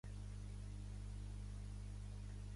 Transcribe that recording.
Tradicionalment, la zona estava habitada pels Dharug.